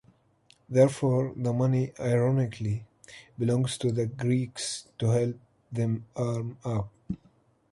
Therefore the money ironically belongs to the Greeks to help them arm up.